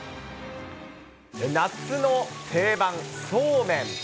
夏の定番、そうめん。